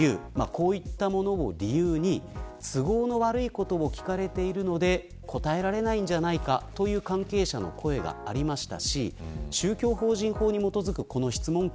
こういったものを理由に都合の悪いことを聞かれているので答えられないんじゃないかという関係者の声がありました。